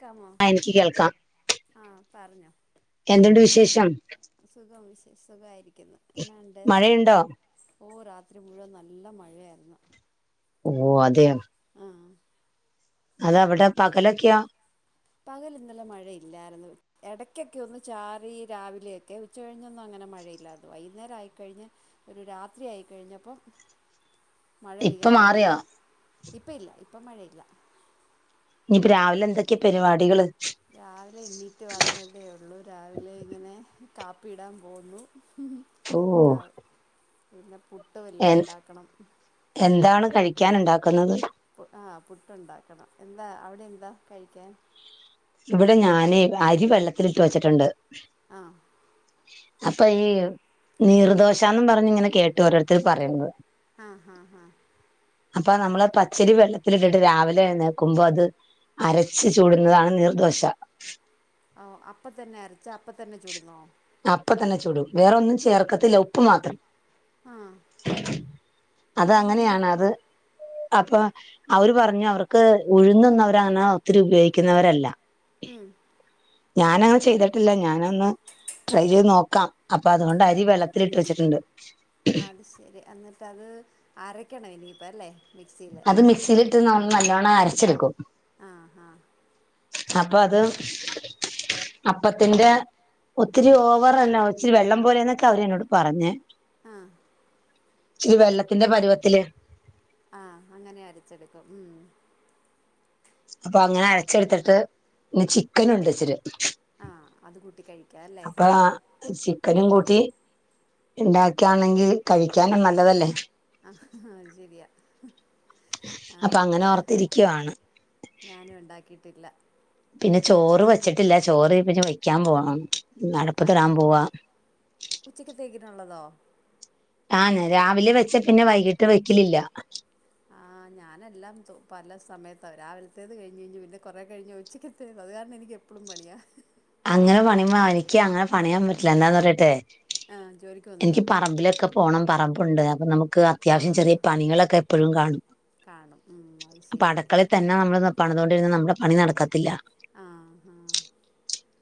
ക്കാമോ എനിക്ക് കേൾക്കാം ആഹ് പറഞ്ഞോ എന്തുണ്ട് വിശേഷം സുഖമായിരി മഴയുണ്ടോ ഓ രാത്രി മുഴുവൻ നല്ല മഴയായിരുന്നു ഓ അതെയോ ആ അതവിടെ പകലൊക്കെയോ പകൽ ഇന്നലെ മഴയില്ലായിരുന്നു ഇടയ്ക്കൊക്കെ ഒന്ന് ചാറി രാവിലെയൊക്കെ ഉച്ച കഴിഞ്ഞൊന്നും അങ്ങനെ മഴയില്ലായിരുന്നു വൈകുന്നേരം ആയിക്കഴിഞ്ഞ് ഒരു രാത്രി ആയിക്കഴിഞ്ഞപ്പം മഴ ഇപ്പ പെയ്യാൻ മാറിയോ തുടങ്ങിന്നെ ഇപ്പം ഇല്ല ഇപ്പൊ മഴയില്ല ഇനിപ്പോ രാവിലെ എന്തൊക്കെയാ പരിപാടികള് രാവിലെ എണീറ്റ് വന്നതേ ഉള്ളു രാവിലെ ഇങ്ങനെ കാപ്പിടാൻ പോവുന്നു ഓ [unintelligible] പുട്ട് എ വല്ലോം ഉണ്ടാക്കണം എന്താണ് കഴിക്കാൻ ഉണ്ടാക്കുന്നത് പു ആ പുട്ടുണ്ടാക്കണം എന്താ അവിടെന്താ കഴിക്കാൻ ഇവിടെ ഞാനേ അരിവെള്ളത്തിലിട്ട് വെച്ചിട്ടണ്ട് ആ അപ്പൊ ഈ നീർദോശാന്ന് പറഞ്ഞിങ്ങനെ കേട്ടു ഓരോരുത്തർ പറയണത് ആ ഹ ഹ അപ്പൊ നമ്മള് പച്ചരി വെള്ളത്തിലിട്ടിട്ട് രാവിലെ എഴുന്നേക്കുമ്പോ അത് അരച്ച് ചൂടുന്നതാണ് നിർദോശ ഓ അപ്പം തന്നെ അരച്ച് അപ്പത്തന്നെ ചൂടുന്നോ ആ അപ്പം തന്നെ ചൂടും വേറൊന്നും ചേർക്കത്തില്ല ഉപ്പ് മാത്രം ആ അത് അപ്പം അതിനെന്ത് അങ്ങനെയാണ് അത് അപ്പൊ അവര് പറഞ്ഞു അവർക്ക് ഉഴുനൊന്നും അവര് അനാ ഒത്തിരി ഉപയോഗിക്കുന്നവരല്ല മം ഞാനത് ചെയ്തട്ടില്ല ഞാനൊന്ന- ട്രൈ ചെയ്ത് നോക്കാം അപ്പൊ അതുകൊണ്ട് അരി വെള്ളത്തിലിട്ട് വെച്ചിട്ടുണ്ട് അത് ശെരി അന്നിട്ട് അത് അരക്കണം ഇനിപ്പോ അല്ലേ മിക്സിയിൽ അത് മിക്സില് യിട്ട് നല്ലോണം അരച്ചെടുക്കും ഹ ഹ അപ്പൊ അത് അപ്പത്തിന്റെ ഒത്തിരി ഓവറല്ല ഇച്ചിരി വെള്ളം പോലെന്നൊക്കെ അവരെന്നോട് പറഞ്ഞേ ആ [unintelligible] വെള്ളത്തിന്റെ പരുവത്തില് ആഹ അങ്ങനെ അരച്ചെടുക്കും ഉം അപ്പൊ അങ്ങനെ അരച്ചെടുത്തിട്ട് ഇന്ന് ചിക്കനുണ്ട് ഇച്ചിരി ആ അത് കൂട്ടി കഴിക്കാം അല്ലേ അപ്പ ചിക്കനും കൂ ത്തി ഉണ്ടാക്കയാണെങ്കിൽ കഴിക്കാനും നല്ലതല്ലേ ആഹ അത് ശെരിയാ അപ്പൊ അങ്ങനെ ഓർത്തിരിക്കുവയാണ് ഞാനും ഉണ്ടാക്കിയിട്ടില്ല പിന്നെ ചോറ് വെച്ചിട്ടില്ല ചോറ് പിന്നെ വെക്കാൻ പോണം [unintelligible] അടപ്പത്തിടാൻ പോവാ ഉച്ചക്ക് തേക്കിട്ടുള്ളതോ ആന്ന് രാവിലെ വെച്ച പിന്നെ വൈകിട്ട് വെക്കലില്ല ആ ഞാനെല്ലാം തു പല സമയത്താ രാവിലത്തേത് കഴിഞ്ഞ് കഴിഞ്ഞു പിന്നെ കുറെേ കഴിഞ്ഞാൽ ഉച്ചയ്ക്കെതേത് അത് കാരണം എനിക്ക് എപ്പോഴും പണിയാ അങ്ങനെ പണിയ എനിക്ക് അങ്ങനെ പണിയാൻ പറ്റില്ല എന്താന്ന് പറയട്ടെ ആഹ് ജോലിക്ക് എനിക്ക് പോന്നുണ്ടോ പറമ്പിലൊക്കെ പോണം പറമ്പ് ഉണ്ട് അ നമുക്ക് അത്യാവശ്യം ചെറിയ ആഹ് പനികളൊക്കെ എപ്പോഴും കാണും കാണും ഉം അത് അപ്പൊ ശരി അടക്കളിൽ തന്നെ നമ്മൾ പണതുകൊണ്ടിരുന്ന് നമ്മുടെ പണി നടക്കത്തില്ല ആ ഹാ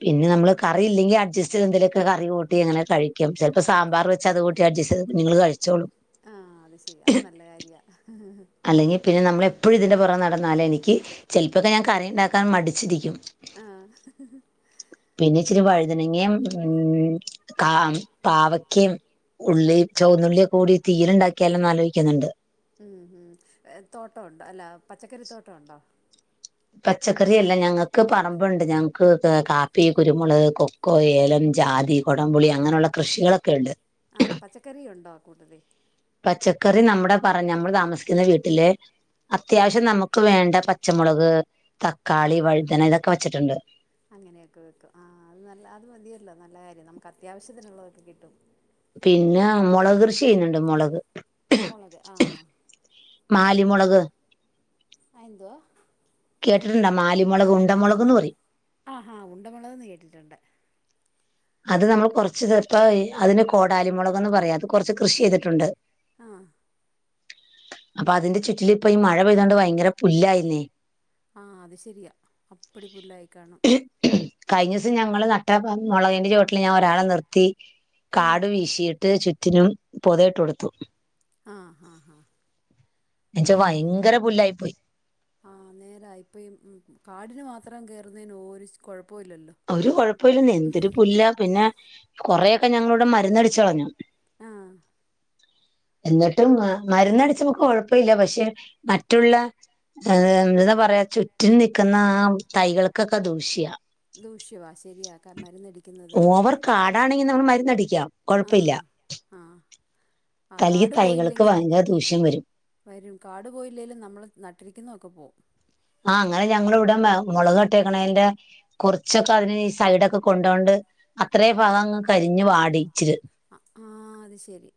പിന്നെ നമ്മൾ കറില്ലെങ്കി അഡ്ജസ്റ്റ് ചെയ്തന്തെലുമൊക്കെ കറി കൂട്ടി അങ്ങനെ കഴി [unintelligible] ചിലപ്പ കഴിക്കും സാമ്പാർ വച്ചതുകൂട്ടി അഡ്ജസ്റ്റുചെയ്ത് നിങ്ങൾ കഴിച്ചോളൂ ആഹ അത് ശരി അത് നല്ല കാര്യ അല്ലെങ്കിൽ പിന്നെ നമ്മളെപ്പോഴും ഇതിൻ്റെ പുറം നടന്നാലും എനിക്ക് ചിലപ്പമൊക്കെ ഞാൻ കറി ഉണ്ടാക്കാൻ മടിച്ചിരിക്കും ആഹ് പിന്നെ ഇച്ചിരി വഴുതനങ്ങ ഉം കാ പാവക്കും ഉള്ളീം ചോന്നുള്ളിയൊക്ക കൂടി തീയലുണ്ടാക്കിയാലോ ആലോചിക്കുന്നുണ്ട് ഉം തോട്ടോ ണ്ടോ അല്ല പച്ചക്കറി തോട്ടോണ്ടോ പച്ചക്കറിയല്ല ഞങ്ങക്ക് പറമ്പ്ണ്ട് ഞങ്ങൾക്ക് കാപ്പി, കുരുമുളക്, കൊക്കോ, ഏലം, ജാതി, കൊടംപുളി അങ്ങനെള്ള കൃഷികളൊക്കെ ണ്ട് ആ പച്ചക്കറി ഉണ്ടോ കൂട്ടത്തി പച്ചക്കറി നമ്മുടെ പറ നമ്മൾ താമസിക്കുന്ന വീട്ടില് അത്യാവശ്യം നമുക്ക് വേണ്ട പച്ചമുളക് ആ തക്കാളി വഴുതന ഇതൊക്കെ വെച്ചിട്ടുണ്ട് അങ്ങനെയൊക്കെ വെക്കും ആ അത് നല്ല അത് മതിയല്ലോ നല്ല കാര നമുക്ക് അത്യാവശ്യത്തിനുള്ളതൊക്കെ കിട്ടും പിന്നെ മൊളക് കൃഷി ചെയ്യ്ന്ന്ണ്ട് മൊളക് മുളക് ആഹ് മാലിമുളക് അയെന്തുവാ? കേട്ടിട്ടിണ്ട മാലി ഇ ആഹാ ഉണ്ടമുളകെന്ന് കേട്ടിട്ടുണ്ട് അത് നമ്മൾ കുറച്ച് തിപ്പ അതിന് കോടാലിമുളകെന്ന് പറയും അത് കൊറച്ച് കൃഷി ചെയ്തിട്ടുണ്ട് ആഹ് അപ്പൊ അതിന്റെ ചുറ്റിലിപ്പ ഈ മഴ പെയ്തോണ്ട് ഭയങ്കര പുല്ലായീന്നേ. ആ അത് ശെരിയാ അപ്പടി പുല്ലായി കാണാം കഴിഞ്ഞ ദിവസം ഞങ്ങള് നട്ട മുളകിന്റെ ചോട്ടില് ഞാൻ ഒരാളെ നിർത്തി ഉം കാട് വീശീട്ട് ചു റ്റിനും പൊതയിട്ട് കൊടുത്തു. ആഹ് ആഹ് ഹാ എന്നുവെച്ചാ ആഹ് ഭയങ്കര പുല്ലായി പോയി. ആഹ് നേരാ ഇപ്പൊ ഈ കാടിന് മാ ത്രം കയറുന്നതിന് ഓരു കൊഴപ് ഒര് കൊഴപ്പൊവില്ലന്നേ എന്തൊരു പുല്ലാ പിന്ന കൊറേ ക്ക ഞങ്ങളിവടെ മര്ന്നടിച്ച് കളഞ്ഞു. ആഹ് എന്നിട്ടും അ് മര്ന്നടിച്ചുമ്പോ കൊഴപ്പയില്ല പക്ഷെ മറ്റുള്ള ഏ എന്താ പറയാ ചുറ്റിനും നിക്കുന്ന ആ തൈകൾക്കൊക്കെ ദൂഷ്യാ ദൂശ്യവായ് ശെരിയാ ക മരുന്നടിക്കുന്നത് ഇന്ന് മര്ന്നടിക്കാം. ആഹ് ആഹ് ആഹ് തലി കാടു തൈകൾക്ക് പോയില്ലെങ്കിൽ ഭയങ്കര ദൂഷ്യം വരും വരും കാട് പോയില്ലെല് നമ്മൾ നട്ടിരിക്കുന്ന ഒക്കെ പോവും. ആഹ് അങ്ങനെ ഞങ്ങള് വടെ മ മൊളക് കട്ടേക്കണേന്റെ കുർച്ചൊക്കെ അതിന് സൈഡൊക്കെ കൊണ്ടോണ്ട് അത്ര ഭാഗങ്ങ് കരിഞ്ഞ് വാടിച്ചിര് ആഹ് അത് ശെരി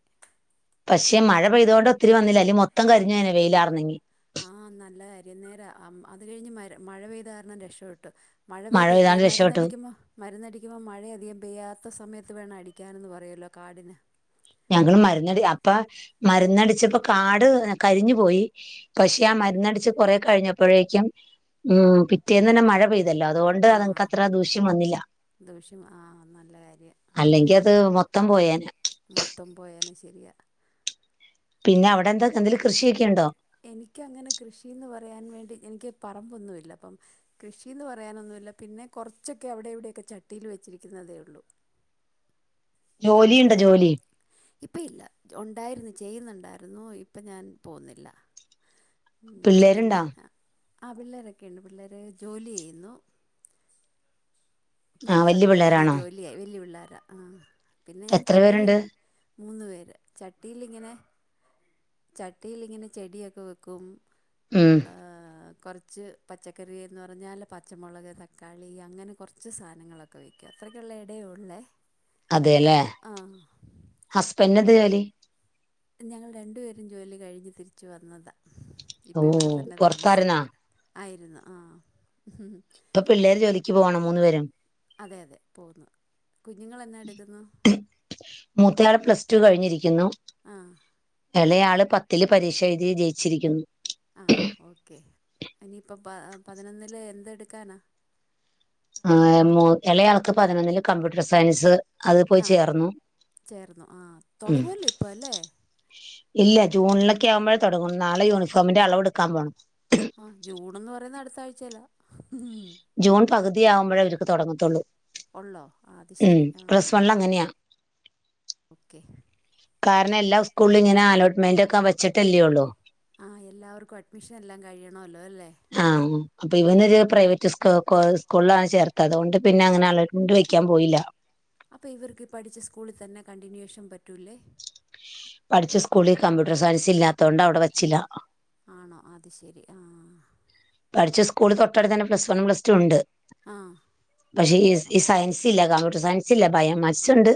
പക്ഷെ മഴ പെയതോണ്ട് ഒത്തിരി വന്നില്ല അല്ലല് മൊത്തം കരിഞ്ഞേനെ വെയിലാർന്നെങ്കി ആഹ് നല്ല അരി നേരം അമ് അത് കഴിഞ്ഞ് മര മഴ പെയ്ത കാരണം രക്ഷ പ്പെട്ട് മഴ പെയ്ത് ഈ പെയ്താണ്ട് രക്ഷപ്പെട്ടു മരുന്നടിക്കുമ്പോൾ മരുന്നടിക്കുമ്പോൾ മഴയ അധികം പെയ്യാത്ത സമയത്ത് ത്ത് വേണം അടിക്കനെന്ന് പറയല്ലോ കാടിന് ഞങ്ങള് മര്ന്നടി അപ്പ മര്ന്നടിച്ചപ്പോ കാട് കരിഞ്ഞു പോയി പക്ഷെ ആ മര്ന്നട്ച്ച് കൊറേ കഴിഞ്ഞപ്പോഴേക്കും ഉം പിറ്റേന്നന്നെ മഴ പെയ് തല്ലോ അതുകൊണ്ട് ആഹ് അതൻക്കത്ര ദൂഷ്യം വന്നില്ല ദൂഷ്യം ആഹ് നല്ല കാര്യം അല്ലെങ്കി ഉം അത് മൊത്തം പോയേനെ മൊത്തം പോയേനെ ശെരിയാ പിന്നെ അവിടെന്താ തെന്തേലും കൃഷിയൊക്കെണ്ടോ എനിക്കങ്ങനെ കൃഷീന്ന് പറയാൻ വേണ്ടി എനിക്ക് പറമ്പൊന്നു ഇല്ല അപ്പം കൃഷീന്ന് പറയാനൊന്നുല്ല പിന്നെ കൊറച്ചൊക്കെ അവിടെ ഇവിടെക്കെ ചട്ടീല് വെച്ചിരിക്ക്ന്നതേ ഒള്ളൂ ജോലിയ്ണ്ടോ ജോലി ഇപ്പ ഇല്ല ഒണ്ടായിര്ന്ന് ചെയ്യ്ന്ന്ണ്ടായ്ര്ന്നു ഇപ്പൊ ഞാൻ പോവ്ന്നില്ല ഉം പിന്നെ പിള്ളേരുണ്ടോ ആ പിള്ളേരൊക്കെയ്ണ്ട് പിള്ളേര് ജോലി ചെയ്യുന്നു ആ വല്യ പഠിത്തൊക്കെ കഴിഞ്ഞ് പിള്ളേരാണോ ജോലിയായി വല്യ പിള്ളാ ആ പിന്നെ ഞാൻ എത്ര ചട്ടിയിലി പേരുണ്ട് മൂന്ന് പേര് ചട്ടിയിലിങ്ങനെ ചട്ടിയിലിങ്ങനെ ചെടിയൊക്കെ വെക്കും ഉം കൊർച്ച് പച്ചക്കറിയെന്ന് പറഞ്ഞാൽ പച്ച മൊളക് തക്കാളി അങ്ങനെ കൊർ കൊർ കൊർച്ച് സാനങ്ങളൊക്കെ വെയ്ക്കും അത്രയ്ക്കുള്ള എടെ ഒള്ളെ അതെ ലെ ഹസ്ബെന്റിന് എന്താ ജോ തെ ഞങ്ങൾ രണ്ടു പേരും ജോലി കഴിഞ്ഞ് തിരിച്ച് വന്നതാ ഓ ഇപ്പം ഇവിടെ തന്നെ പൊറത്തായിര്ന്നാ താമസിക്കുക ആയിരുന്നു ആ ഇപ്പ പിള്ളേര് ജോലിക്ക് പോവാണോ മൂന്ന് പേരും അതെ അതെ പോവുന്നു കുഞ്ഞുങ്ങൾ എന്നാ എട്ക്കുന്നു മൂത്തയാള് പ്ലസ് ടു കഴിഞ്ഞ് ഇരി ക്കുന്നു എളെ ആൾ പത്തിൽ പരീക്ഷ എഴ്തി ജയിച്ചിരിക്കുന്നു ആ ഓക്കെ ഇനിയിപ്പ പ പതിനൊന്നിൽ എന്ത് എട്ക്കാനാ ആ എ മൂ എളയ ആൾക്ക് പതിനൊന്നില് കമ്പ്യൂട്ടർ സയൻസ് അത് പോയി ആ ചേർന്നു ചേർന്നു ആ ഉം തൊടങ്ങുവല്ലോ ഇപ്പ അല്ലെ ഇല്ല ജൂണിലൊക്കെ ആകുമ്പഴെ തൊടങ്ങു ഒള്ളു നാളെ യൂണിഫോമിന്റെ അളവ് ഇട്ക്കാൻ പോണം ആ ജൂണെന്ന് പറയുന്നെ അട് ആഴ്ചയിലാ ജൂൺ പകുതി ആകുമ്പഴേ അവർക്ക് തുടങ്ങത്തുള്ളൂ ഉള്ളോ അത് ഉം ശരി ആ പ്ലസ് വണ്ണിൽ അങ്ങനെയാ ഓക്കെ കാരണം എല്ലാ സ്കൂളിലും ഇങ്ങനെ അലോട്ട്മെന്റ് ഒക്കെ വെച്ചിട്ടല്ലേ ഉള്ളൂ ആ എല്ലാവർക്കും അഡ്മിഷൻ എല്ലാം കഴിയണല്ലോ അല്ലെ ആഹ് അപ്പൊ ഇവന്നൊരു പ്രൈവറ്റ് സ്കൂ കൂ സ്കൂളിലാണ് ചേർത്തെ അതൊണ്ട് പിന്ന ങ്ങനെ അലോട്മെൻ്റ് വെക്കാൻ പോയില്ല. അപ്പൊ ഇവർക്ക് ഇ പഠിച്ച സ്കൂളി തന്നെ കണ്ടിന്യുഷൻ പ പഠിച്ച സ്കൂളി കമ്പ്യൂട്ടർ സയൻസ് ഇല്ലാതൊണ്ട് അവടെ വെച്ചില്ല. ആണോ അത് ശരി ആഹ് പഠിച്ച സ്കൂളി തൊട്ടട്തെന്നെ പ്ലസ് വണും പ്ലസ് ടു ണ്ട് ആഹ് പക്ഷെ ഈ സ് ഈ സയൻസില്ല കം സയൻസില്ല ബയോമാക്സ്ണ്ട്.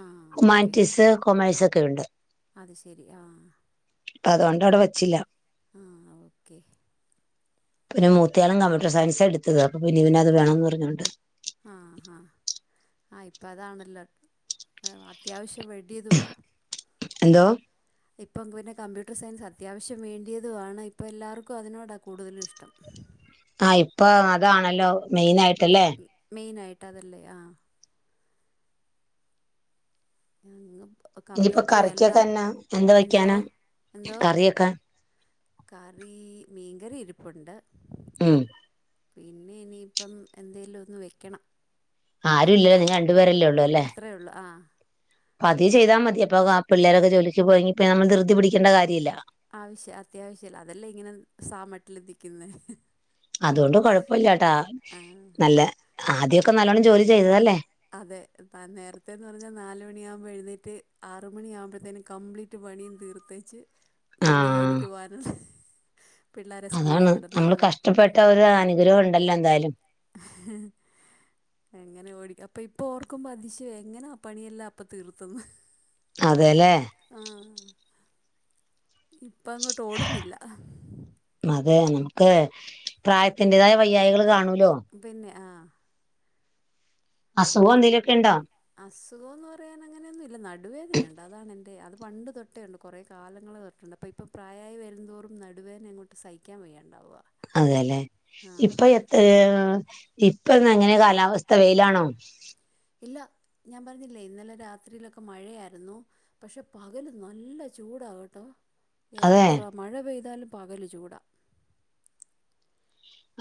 ആഹ് ഓക്കെ ഹ്യുമാനിറ്റീസ് കൊമേഴ്സൊക്കെ ഉണ്ട്. അത് ശരി ആഹ് അതൊണ്ട് അവിടെ വെച്ചില്ല. ആ ഓക്കെ പിന്നെ മൂത്തിയാളും കമ്പ്യൂട്ടർ സയൻസ് എടുത്തത്. അ ലീവിന അത് ആഹ് വേണന്ന് പറഞ്ഞോണ്ട് ആ ഇപ്പം അതാണല്ലോ അത്യാവശ്യം വെഡിയ്തുവാ എന്തോ ഇപ്പം പിന്നെ കമ്പ്യൂട്ടർ സയൻസ് അത്യാവശ്യം വേണ്ടിയതുവാണ് ഇപ്പം എല്ലാർക്കും അതിനോടാ കൂടുതലും ഇഷ്ടം. ആഹ് ഇപ്പൊ അതാണല്ലോ മെയിനായി മെയിൻ ആയി ട്ടതല്ലേ ആഹ് [unintelligible] ഇനിയിപ്പോ കമ്പ്യൂട്ടറു എല്ലാ കറിക്കൊക്കെ എന്നാ എന്താ എന്തോ വെക്കാനാ എന്തോ കറിയൊക്കെ കറി മീൻകറി ഇരി ഉണ്ട് ഉം പിന്നെ ഇനിയിപ്പം എന്തേലു ഒന്നു വെക്കണം. ആരുല്ലല്ലോ എന്താ നീങ്ങ രണ്ടുപേരല്ലേ ഉള്ളു ല്ലേ അത്രയേ ഉള്ളൂ ആഹ് ച അതി ചെയ്താ മതി അപ്പ വാ പിള്ളേരൊക്ക ജോലിക്ക് പോയങ്കി പിന്ന നമ്മ ദിർതി പിടിക്കേണ്ട കാര്യ ഇല്ലാ. ആവശ്യ അത്യാവശ്യല്ല അതല്ലേ ഇങ്ങനെ സാമട്ടിൽ എത്തിക്കുന്ന അതുകൊണ്ട് കൊഴപ്പില്ലാട്ടാ നല്ല ആദ്യമൊക്കെ നല്ലോണം ജോലി ചെയ്തതല്ലേ അതെ നേരത്തേന്ന് പറഞ്ഞാൽ നാല് മണിയാവുമ്പോ എഴുന്നേറ്റ് ആറുമണി ആവുമ്പഴത്തേനും കംപ്ലീറ്റ് പണിയും തീർത്തേച്ച് പിന്നെ ആഹ് ജോലിക്ക് പോവാരുന്നു അതാണ് നമ്മള് കഷ്ടപ്പെട്ട ഒരു അനുഗ്രഹം ഉണ്ടല്ലേ എ ന്തായാലും അങ്ങനെ ഓടി അപ്പൊ ഇപ്പൊ ഓർക്കുമ്പോ അതിശയവാ എങ്ങനെ ആ പണിയെല്ലാം അപ്പൊ തീർത്തന്ന് അതെല്ലേ ആഹ് ഇപ്പ അങ്ങോട്ട് ഓടുന്നില്ല തെ നമുക്ക് പ്രായത്തിന്റേതായ വയ്യായികൾ കാണൂ പിന്നെ ആഹ് അസുഖം എന്തേലുക്കെ ണ്ടോ അസുഖോം ന്ന് പറയാൻ അങ്ങനയൊന്നും ഇല്ല ന നടുവേദന ഉണ്ടതാണ് എൻ അത് പണ്ട് തൊട്ടേ ഉണ്ട് കുറേ കാലങ്ങൾ തൊട്ടുണ്ട് അപ്പോ ഇപ്പ പ്രായായി വെരുംന്തോറും നടുവേദന അങ്ങോട്ട് സഹിക്കാൻ വയ്യാണ്ടാവ അതല്ലെ ഇപ്പൊ എത്രയാ ഇപ്പന്ന് എങ്ങനെ കാലാവസ്ഥ വെയിലാണോ ഇല്ല ഞാൻ പറഞ്ഞില്ലേ ഇന്നലെ രാത്രിയിലൊക്കെ മഴയായിരുന്നു പക്ഷേ പകൽ നല്ല ചൂടാകേട്ടോ അതെ എത്ര മഴ പെയ്താലും പകൽചൂടാ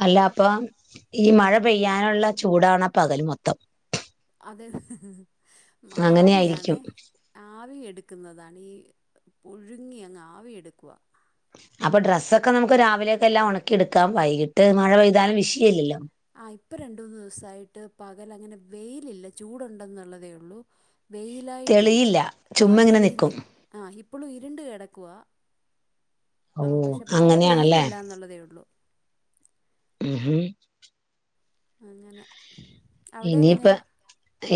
അല്ല അപ്പം ഈ മഴ പെയ്യാനുള്ള ചൂടാണ് പകൽ മൊത്തം അതെ അങ്ങനെയായിരിക്കും ആവിയാണേ ആവി എടുക്കുന്നതാണീ പുഴുങ്ങി അങ്ങ് ആവി എടുക്കുവ അപ്പൊ ഡ്രസ്സൊക്കെ നമുക്ക് രാവിലെയൊക്കെ എല്ലാം ഉണക്കിെടുക്കാം വൈകിട്ട് മഴ പെയ്താലും വിഷയല്ലല്ലോ ആ ഇപ്പൊ രണ്ട് മൂന്ന് ദിവസായിട്ട് പ പകൽ അങ്ങനെ വെയിലില്ല ചൂടുണ്ടെന്നുള്ളതേ ഉള്ളൂ വെയിലായിട്ടില്ല തെളിയില്ല ആ ചുമ്മാ ഇങ്ങനെ നിക്കും തെളിയുന്നില്ല ആ ഇപ്പോളും ഇരുണ്ട് കിടക്കവാ ഓ ആ പക്ഷെ മഴ അങ്ങനെയാണല്ലേ പെയ്യുന്നില്ല എന്നുള്ളതേ ഉള്ളു മ് ഹും അങ്ങനെ അവിടെ എങ്ങനെയാ ഇനിയിപ്പം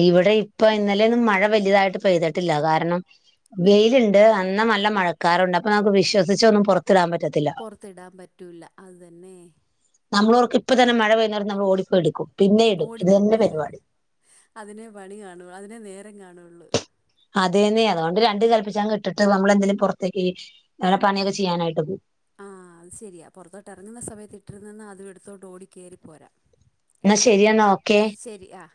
ഇവിടെ ഇപ്പൊ ഇന്നലൊന്നും മഴ വലിയതായിട്ട് പെയ്തിട്ടില്ല കാരണം വെയിലുണ്ട് അന്ന നല്ല മഴക്കാറുണ്ട് അപ്പൊ നമുക്ക് വിശ്വസിച്ച് ഒന്നും പുറ പൊറത്തിടാൻ പറ്റൂല്ല അതെന്നെ നമ്മളോർക്ക് ഇപ്പ തന്നെ മഴ പെയുന്ന് നമ്മൾ ഓടിപ്പോയെടുക്കും പിന്നീട് അതിനെ പണിക്കാണു അതിനെ നേര രം കാണുള്ളൂ അതന്നെ അതുകൊണ്ട് രണ്ട് കൽപ്പിച്ചങ്ങ് ഇട്ടിട്ട് നമ്മളെന്തേലും പുറത്തേക്ക് പണിയൊക്കെ ചെയ്യാനായിട്ട് പോവും ആഹ അത് ശരിയാ പൊറത്തോട്ട് ഇറങ്ങുന്ന സമയത്ത് ഇട്ടിരുന്നന്നാ അതും എടുത്തോട്ട് ഓടി കയറിപ്പോരാ എന്നാ ശെരിയെന്നാ ഓക്കെ ശരി ആ